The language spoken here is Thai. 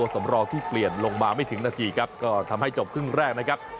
สำรองที่เปลี่ยนลงมาไม่ถึงนาทีครับก็ทำให้จบครึ่งแรกนะครับ